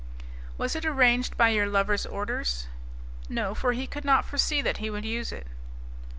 "Was it arranged by your lover's orders?" "No, for he could not foresee that he would use it."